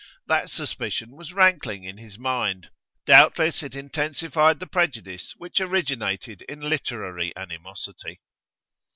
That suspicion was rankling in his mind; doubtless it intensified the prejudice which originated in literary animosity.